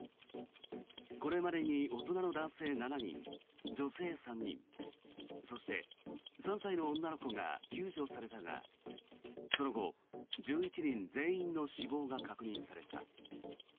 これまでに大人の男性７人、女性３人そして、３歳の女の子が救助されたがその後、１１人全員の死亡が確認された。